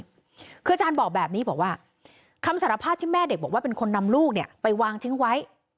คืออาจารย์บอกแบบนี้บอกว่าคำสารภาพที่แม่เด็กบอกว่าเป็นคนนำลูกเนี่ยไปวางทิ้งไว้